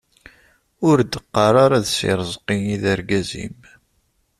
Ur d-qqar ara d si Rezqi i d argaz-im.